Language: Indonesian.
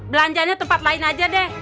belanjanya tempat lain aja deh